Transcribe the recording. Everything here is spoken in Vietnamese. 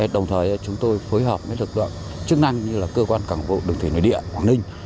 đồng thời chúng tôi phối hợp với lực lượng chức năng như là cơ quan cảng bộ đường thủy nội địa quảng ninh